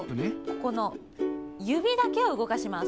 ここのゆびだけをうごかします。